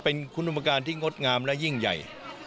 เป็นคุณอุปการณ์ที่งดงามและยิ่งใหญ่